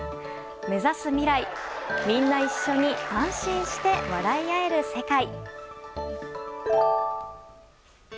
目指す未来、みんな一緒に安心して笑い合える世界。